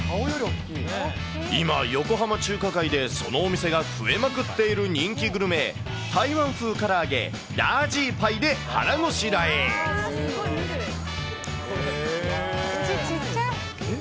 今、横浜中華街でそのお店が増えまくっている人気グルメ、台湾風から揚げ、ダージーパイで腹ごしらえ。